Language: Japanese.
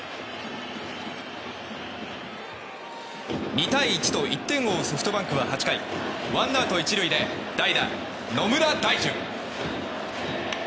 ２対１と１点を追うソフトバンクは８回ワンアウト１塁で代打、野村大樹。